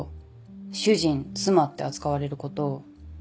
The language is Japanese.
「主人」「妻」って扱われること。